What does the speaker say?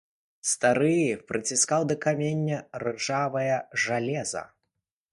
Стары прыціскаў да каменя ржавае жалеза.